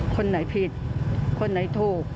คนไหนผิดคนไหนถูก